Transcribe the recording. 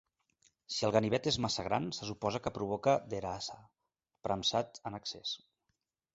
Si el ganivet és massa gran, se suposa que provoca "Derasah", premsat en excés.